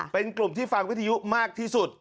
เป็นกลุ่มที่ฟังวิทยุมากที่สุด